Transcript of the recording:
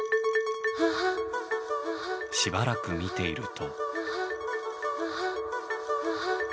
しばらく見ていると。